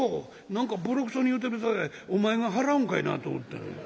何かぼろくそに言うてるさかいお前が払うんかいなと思ったんや。